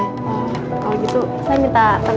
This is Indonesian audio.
kalau gitu saya minta tanggapan ya pak